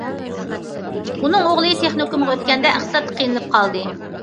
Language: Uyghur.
ئۇنىڭ ئوغلى تېخنىكومغا ئۆتكەندە ئىقتىسادتا قىينىلىپ قالدى.